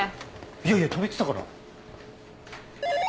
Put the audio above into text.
いやいや止めてたから。